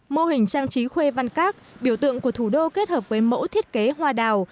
mô hình trang trí khuê văn các biểu tượng của thủ đô kết hợp với mẫu thiết kế hoa đào